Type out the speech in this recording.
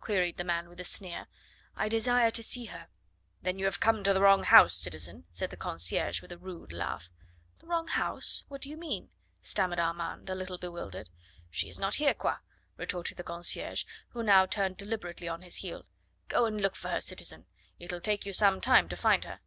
queried the man with a sneer. "I desire to see her." "Then you have come to the wrong house, citizen," said the concierge with a rude laugh. "The wrong house? What do you mean?" stammered Armand, a little bewildered. "She is not here quoi!" retorted the concierge, who now turned deliberately on his heel. "Go and look for her, citizen; it'll take you some time to find her."